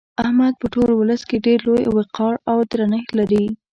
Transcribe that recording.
احمد په ټول ولس کې ډېر لوی وقار او درنښت لري.